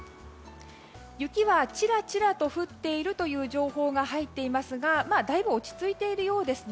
雪はちらちらと降っているという情報が入っていますがだいぶ落ち着いているようですね。